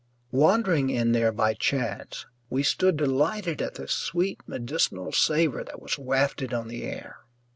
Wandering in there by chance, we stood delighted at the sweet medicinal savour that was wafted on the air.